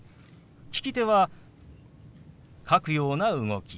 利き手は書くような動き。